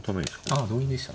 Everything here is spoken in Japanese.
ああ同銀でした？